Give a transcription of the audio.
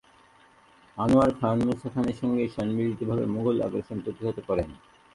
আনোয়ার খান মুসা খানের সঙ্গে সম্মিলিতভাবে মুগল আগ্রাসন প্রতিহত করেন।